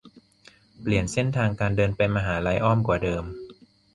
เปลี่ยนเส้นทางการเดินไปมหาลัย อ้อมกว่าเดิม